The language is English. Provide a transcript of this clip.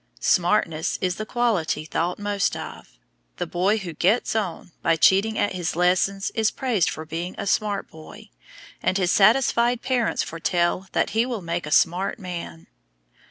"Smartness" is the quality thought most of. The boy who "gets on" by cheating at his lessons is praised for being a "smart boy," and his satisfied parents foretell that he will make a "smart man."